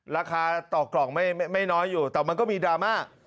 ราคาต่อกล่องไม่น้อยอยู่แต่มันก็มีดราม่า